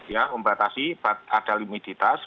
ya membatasi ada limititas